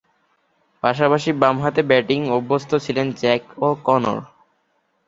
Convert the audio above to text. পাশাপাশি বামহাতে ব্যাটিংয়ে অভ্যস্ত ছিলেন জ্যাক ও’কনর।